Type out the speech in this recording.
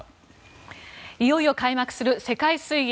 いよいよ開幕する世界水泳。